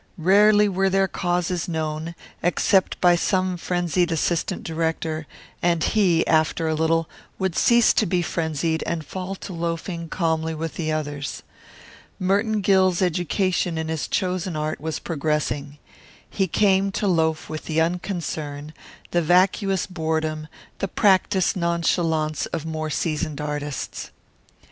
Rarely were their causes known, except by some frenzied assistant director, and he, after a little, would cease to be frenzied and fall to loafing calmly with the others. Merton Gill's education in his chosen art was progressing. He came to loaf with the unconcern, the vacuous boredom, the practised nonchalance, of more seasoned artists.